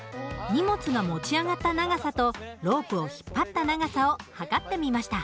荷物が持ち上がった長さとロープを引っ張った長さを測ってみました。